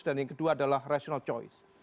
dan yang kedua adalah rational choice